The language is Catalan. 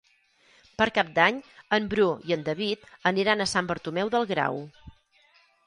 Per Cap d'Any en Bru i en David aniran a Sant Bartomeu del Grau.